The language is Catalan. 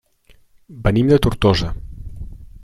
Venim de Tortosa.